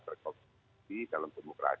berkonsumsi dalam permukaan